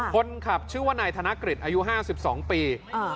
คนขับชื่อว่านายธนกฤษอายุ๕๒ปี